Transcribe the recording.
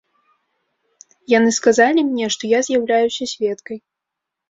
Яны сказалі мне, што я з'яўляюся сведкай.